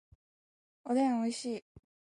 おでんおいしい